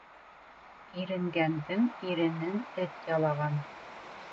Иренгәндең иренен эт ялаған.